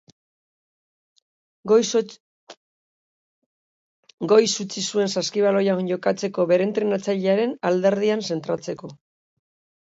Goiz utzi zuen saskibaloian jokatzeko bere entrenatzailearen alderdian zentratzeko.